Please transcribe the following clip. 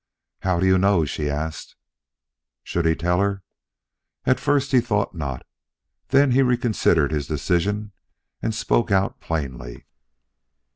"How do you know?" she asked. Should he tell her? At first he thought not; then he reconsidered his decision and spoke out plainly.